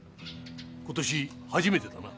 今年初めてだな。